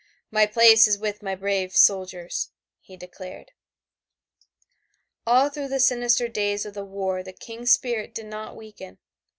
"My place is with my brave soldiers," he declared. All through the sinister days of the war the King's spirit did not weaken.